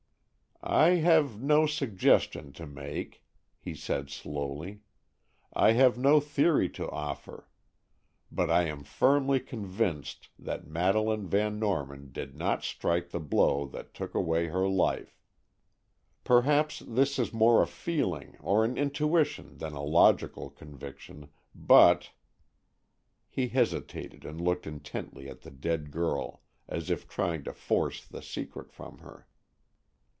"I have no suggestion to make," he said slowly. "I have no theory to offer, but I am firmly convinced that Madeleine Van Norman did not strike the blow that took away her life. Perhaps this is more a feeling or an intuition than a logical conviction, but——" He hesitated and looked intently at the dead girl, as if trying to force the secret from her.